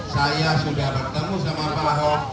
saya sudah bertemu sama pak ahok